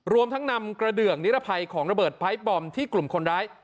รวมทั้งนำกระเดืองนิรภัยของระเบิดไพรส์บอมที่กลุ่มคนร้าย